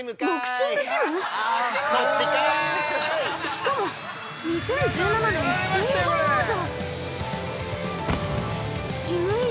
しかも２０１７年全日本王者。